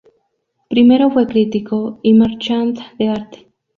Primero fue crítico y marchand de arte.